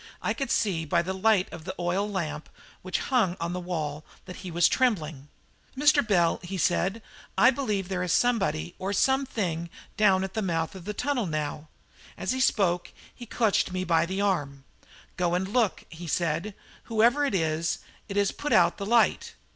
I could see by the light of the oil lamp which hung on the wall that he was trembling. "Mr. Bell," he said, "I believe there is somebody or something down at the mouth of the tunnel now." As he spoke he clutched me by the arm. "Go and look," he said; "whoever it is, it has put out the light."